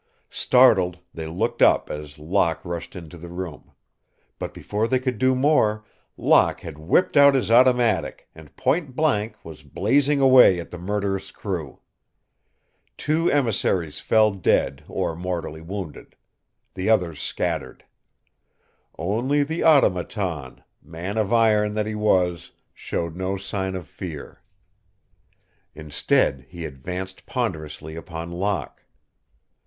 Startled, they looked up as Locke rushed into the room. But before they could do more, Locke had whipped out his automatic and, point blank, was blazing away at the murderous crew. Two emissaries fell dead or mortally wounded. The others scattered. Only the Automaton, man of iron that he was, showed no sign of fear. Instead, he advanced ponderously upon Locke.